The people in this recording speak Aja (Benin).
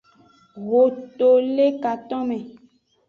Ho to le katome.